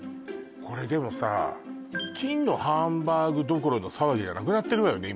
これでもさ金のハンバーグどころの騒ぎじゃなくなってるわよね